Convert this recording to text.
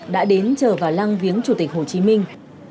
đã đến chờ vào lăng viếng chủ tịch hồ chí minh